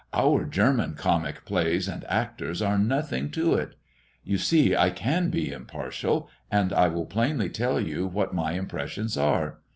Our German comic plays and actors are nothing to it. You see I can be impartial, and I will plainly tell you what my impressions are.